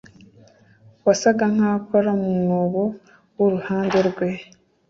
wasaga nkaho akora mu mwobo w'uruhande rwe